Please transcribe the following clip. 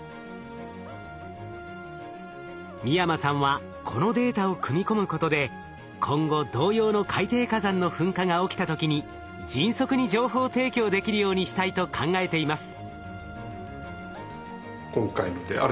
美山さんはこのデータを組み込むことで今後同様の海底火山の噴火が起きた時に迅速に情報提供できるようにしたいと考えています。